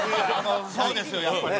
そうですよやっぱり。